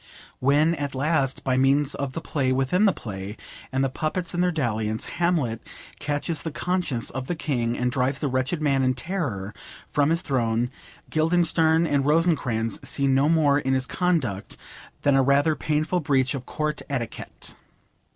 When, at last, by means of the play within the play, and the puppets in their dalliance, Hamlet 'catches the conscience' of the King, and drives the wretched man in terror from his throne, Guildenstern and Rosencrantz see no more in his conduct than a rather painful breach of Court etiquette.